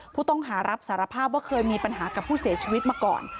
ผู้ต้องหารับสารภาพว่าเคยมีปัญหากับผู้เสียชีวิตมาก่อน